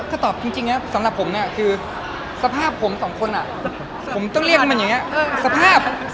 ก็ตอบจริงนะสำหรับผมคือสภาพผมสองคนผมต้องเรียกมันอย่างนี้